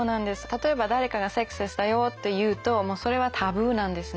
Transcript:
例えば誰かが「セックスレスだよ」って言うともうそれはタブーなんですね。